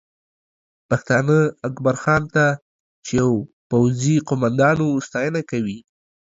پښتانه اکبرخان ته چې یو پوځي قومندان و، ستاینه کوي